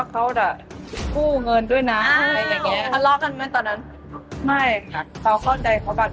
เขาเอาเงินเก็บไปเป็นแสนแสนอะหมด